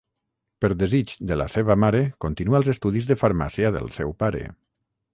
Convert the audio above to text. Per desig de la seva mare continua els estudis de farmàcia del seu pare.